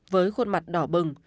với khuôn mặt đỏ bừng